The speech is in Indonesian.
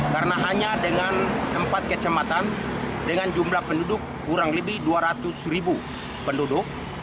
karena hanya dengan empat kecematan dengan jumlah penduduk kurang lebih dua ratus ribu penduduk